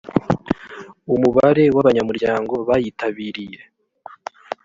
umubare w abanyamuryango bayitabiriye